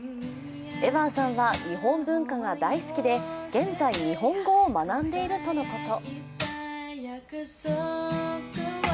エヴァーさんは日本文化が大好きで現在日本語を学んでいるとのこと。